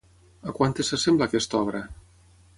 A quantes s'assembla aquesta obra?